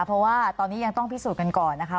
เพราะว่าตอนนี้ยังต้องพิสูจน์กันก่อนนะคะ